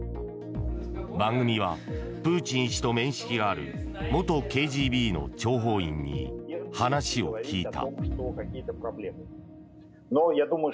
番組はプーチン氏と面識がある元ＫＧＢの諜報員に話を聞いた。